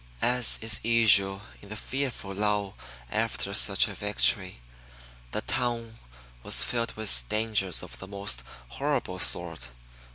As is usual in the fearful lull after such a victory, the town was filled with dangers of the most horrible sort.